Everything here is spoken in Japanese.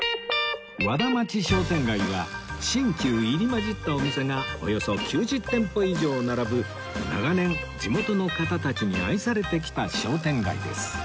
和田町商店街は新旧入り交じったお店がおよそ９０店舗以上並ぶ長年地元の方たちに愛されてきた商店街です